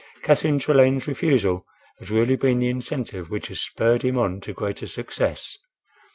Catherine Trelane's refusal had really been the incentive which had spurred him on to greater success.